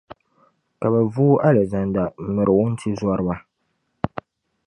Ka bɛ vuui Alizanda m-miri wuntizɔriba.